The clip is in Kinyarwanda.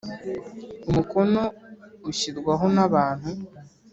umukono ushyirwaho n’ abantu.